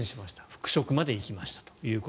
復職まで行きましたと。